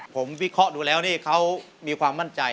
ผมวิเคราะห์ดูแล้วนี่เขามีความมั่นใจ